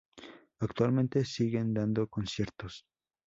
Actualmente siguen dando conciertos.